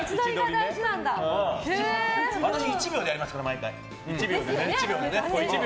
私、１秒でやりますから毎回。